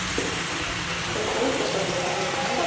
ポロポロっとした状態ですね。